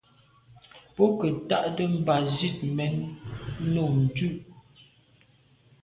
Bo nke ntagte mba zit mèn no ndù.